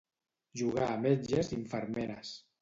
Jugar a metges i infermeres.